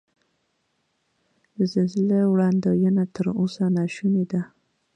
د زلزلې وړاندوینه تر اوسه نا شونې ده.